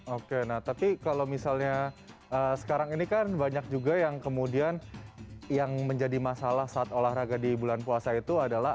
oke nah tapi kalau misalnya sekarang ini kan banyak juga yang kemudian yang menjadi masalah saat olahraga di bulan puasa itu adalah